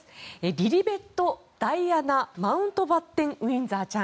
リリベット・ダイアナ・マウントバッテン・ウィンザーちゃん。